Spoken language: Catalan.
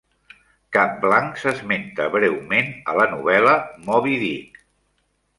Cap Blanc s'esmenta breument a la novel·la "Moby Dick".